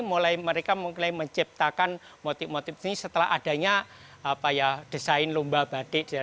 mulai mereka mulai menciptakan motif motif ini setelah adanya desain lomba batik